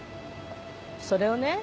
それをね